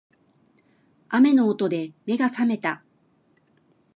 雨の音で目が覚めた